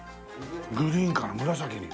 グリーンから紫に。